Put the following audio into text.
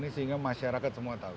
sehingga masyarakat semua tahu